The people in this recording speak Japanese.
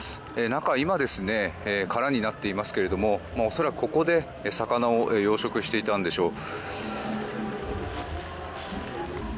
中は今は空になっていますが恐らくここで魚を養殖していたんでしょう。